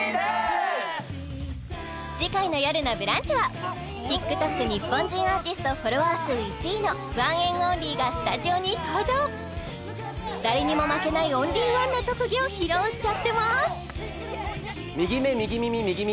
次回の「よるのブランチ」はＴｉｋＴｏｋ日本人アーティストフォロワー数１位のＯＮＥＮ’ＯＮＬＹがスタジオに登場誰にも負けないオンリーワンな特技を披露しちゃってます右目右耳右耳